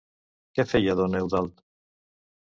Què feia don Eudald?